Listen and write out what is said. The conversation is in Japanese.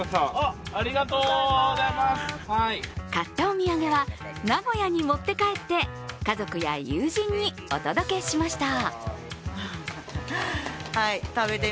買ったお土産は名古屋に持って帰って家族や友人にお届けしました。